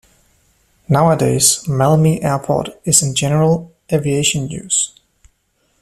Nowadays Malmi Airport is in general aviation use.